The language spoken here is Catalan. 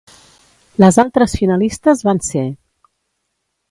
Les altres finalistes van ser: